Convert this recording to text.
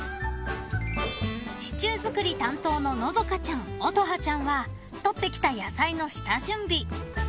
［シチュー作り担当ののどかちゃんおとはちゃんは採ってきた野菜の下準備］